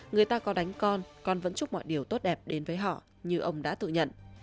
người ta có đánh con con vẫn chúc mọi điều tốt đẹp đến với họ như ông đã tự nhận